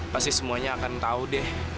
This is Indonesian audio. pasti semuanya akan tahu deh